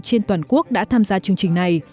trên toàn quốc đã tham gia chương trình này